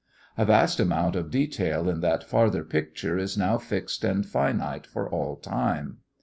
A vast amount of detail in that farther picture is now fixed and finite for all time.